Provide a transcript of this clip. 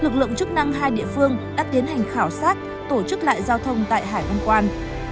khả năng hai địa phương đã tiến hành khảo sát tổ chức lại giao thông tại hải văn quan